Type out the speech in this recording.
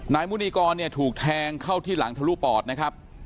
มุนีกรเนี่ยถูกแทงเข้าที่หลังทะลุปอดนะครับ